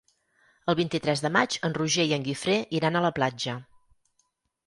El vint-i-tres de maig en Roger i en Guifré iran a la platja.